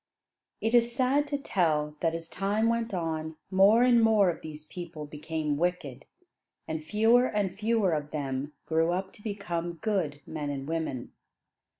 It is sad to tell that as time went on more and more of these people became wicked, and fewer and fewer of them grew up to become good men and women.